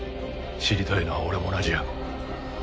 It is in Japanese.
知りたいのは俺も同じや。